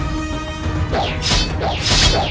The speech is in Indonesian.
tetapi jika kau menyerah